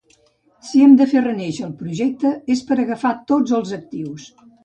Si hem de fer renéixer el projecte és per agafar tots els actius.